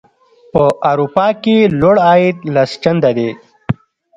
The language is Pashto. په اروپا کې لوړ عاید لس چنده دی.